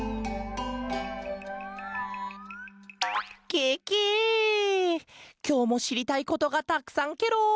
ケケきょうもしりたいことがたくさんケロ。